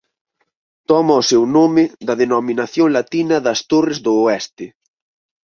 Toma o seu nome da denominación latina das Torres do Oeste.